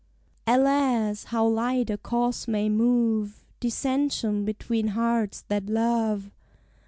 Alas! how light a cause may move Dissension between hearts that love!